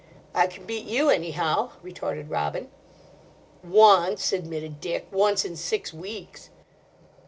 "I can beat you, anyhow," retorted Robin. "Once," admitted Dick—"once in six weeks."